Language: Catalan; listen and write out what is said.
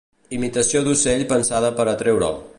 Imitació d'ocell pensada per atreure'l.